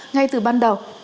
ngay từ ban đầu